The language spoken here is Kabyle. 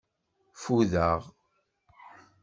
Fudeɣ.